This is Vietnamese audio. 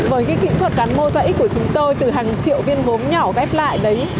với cái kỹ thuật đắn mô giấy của chúng tôi từ hàng triệu viên gốm nhỏ vép lại đấy